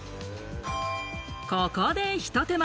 ここでひと手間。